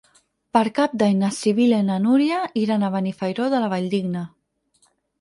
Per Cap d'Any na Sibil·la i na Núria iran a Benifairó de la Valldigna.